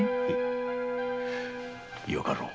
よかろう。